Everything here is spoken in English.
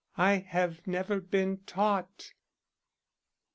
I have never been taught."